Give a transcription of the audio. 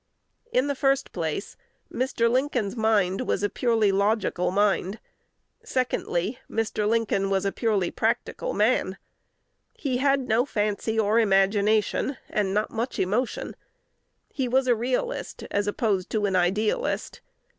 In the first place, Mr. Lincoln's mind was a purely logical mind; secondly, Mr. Lincoln was purely a practical man. He had no fancy or imagination, and not much emotion. He was a realist as opposed to an idealist.